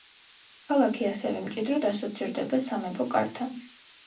ქალაქი ასევე მჭიდროდ ასოცირდება სამეფო კართან.